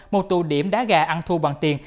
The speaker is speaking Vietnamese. một tù điểm đá gà ăn thu bằng tiền